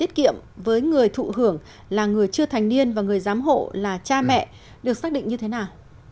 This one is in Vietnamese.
tiết kiệm với người thụ hưởng là người chưa thành niên và người giám hộ là cha mẹ được xác định như thế nào